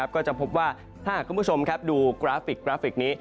ก็จะพบว่าถ้าหากคุณผู้ชมดูกราฟิกนี้